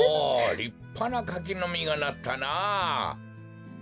りっぱなかきのみがなったな。